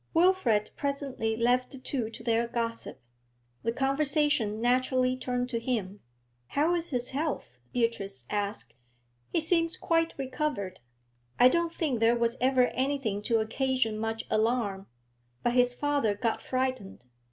Wilfrid presently left the two to their gossip. The conversation naturally turned to him. 'How is his health?' Beatrice asked. 'He seems quite recovered. I don't think there was ever anything to occasion much alarm, but his father got frightened.